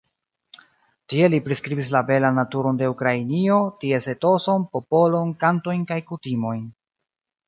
Tie li priskribis la belan naturon de Ukrainio, ties etoson, popolon, kantojn kaj kutimojn.